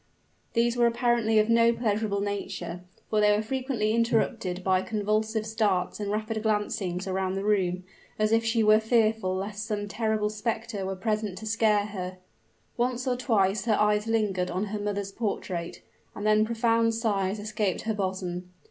These were apparently of no pleasurable nature; for they were frequently interrupted by convulsive starts and rapid glancings around the room as if she were fearful lest some terrible specter were present to scare her. Once or twice her eyes lingered on her mother's portrait; and then profound sighs escaped her bosom.